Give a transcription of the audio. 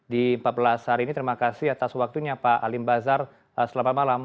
di empat belas hari ini terima kasih atas waktunya pak alim bazar selamat malam